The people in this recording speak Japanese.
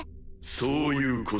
そういうことだ。